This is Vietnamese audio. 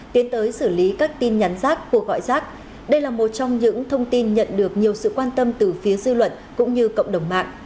tiến tới xử lý các tin nhắn rác cuộc gọi rác đây là một trong những thông tin nhận được nhiều sự quan tâm từ phía dư luận cũng như cộng đồng mạng